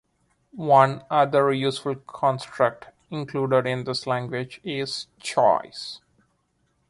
One other useful construct included in this language is "choice".